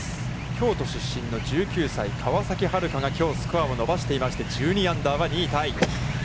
京都出身の１９歳、川崎春花がきょうスコアを伸ばしていまして、１２アンダーは、２位タイ。